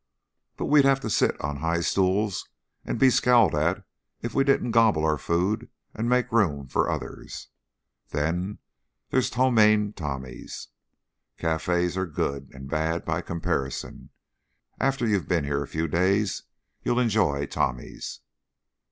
But we'd have to sit on high stools and be scowled at if we didn't gobble our food and make room for others. Then there is Ptomaine Tommy's. Cafes are good and bad by comparison. After you've been here a few days you'll enjoy Tommy's."